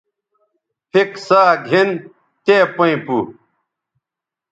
پِھک ساگِھن تے پئیں پو